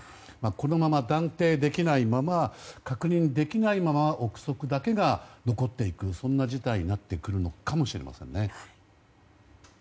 このまま、断定できないまま確認できないまま憶測だけが残っていくそんな事態になってくるのかもしれないですね。